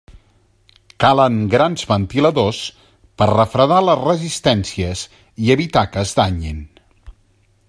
Calen grans ventiladors per refredar les resistències i evitar que es danyin.